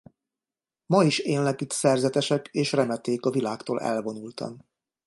Ma is élnek itt szerzetesek és remeték a világtól elvonultan.